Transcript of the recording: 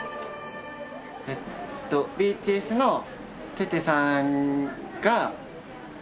えっとＢＴＳのテテさんが５０年後。